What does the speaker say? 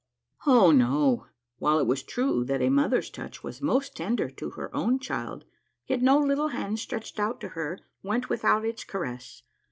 Oh, no ! while it was true that a mother's touch was most tender to her own child, yet no little hand stretched out to her went without its caress.